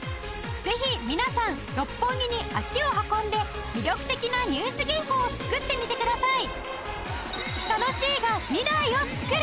ぜひ皆さん六本木に足を運んで魅力的なニュース原稿を作ってみてください